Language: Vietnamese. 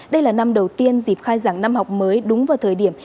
đây là năm đầu tiên dịp khai giảng năm học mới đúng vào thời điểm